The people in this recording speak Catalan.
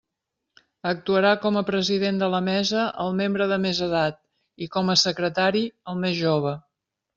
Actuarà com a president de la mesa el membre de més edat, i com a secretari, el més jove.